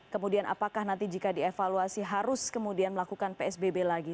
kemudian apakah nanti jika dievaluasi harus kemudian melakukan psbb lagi